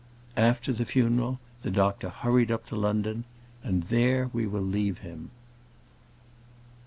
After the funeral, the doctor hurried up to London, and there we will leave him.